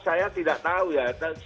saya tidak tahu ya